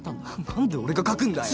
なんで俺が書くんだよ？